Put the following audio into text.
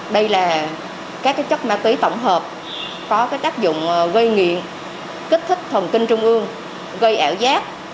đây là các chất ma túy tổng hợp có tác dụng gây nghiện kích thích thần kinh trung ương gây ảo giác